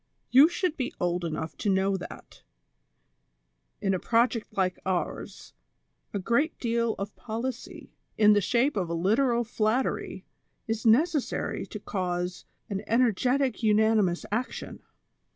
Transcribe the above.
You should be old enough to know that, in a project like ours, a great deal of policy, in the shape of a little flattery, is necessary to cause an ener getic unanimous action.